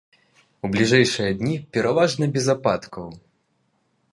У бліжэйшыя дні пераважна без ападкаў.